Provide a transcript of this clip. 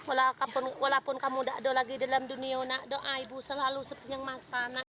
walaupun kamu tidak ada lagi dalam dunia selalu sepenyeng masalah